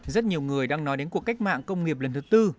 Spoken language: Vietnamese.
rất nhiều người đang nói đến cuộc cách mạng công nghiệp lần thứ tư